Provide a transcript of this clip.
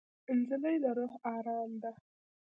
نجلۍ د روح ارام ده.